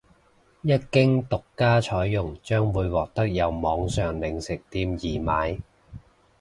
一經獨家採用將會獲得由網上零食店易買